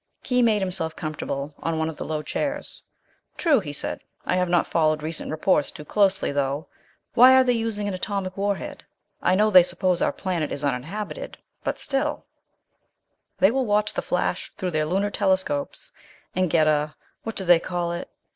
Khee made himself comfortable on one of the low chairs. "True," he said. "I have not followed recent reports too closely, though. Why are they using an atomic warhead? I know they suppose our planet is uninhabited, but still " "They will watch the flash through their lunar telescopes and get a what do they call it?